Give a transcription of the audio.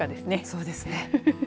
そうですね。